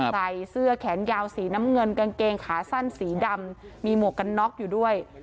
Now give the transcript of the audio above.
ใส่เสื้อแขนยาวสีน้ำเงินกางเกงขาสั้นสีดำมีหมวกกันน็อกอยู่ด้วย